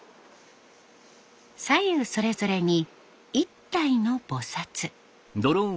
左右それぞれに１体の菩薩。